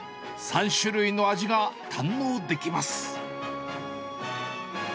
３種類の味が堪能できます。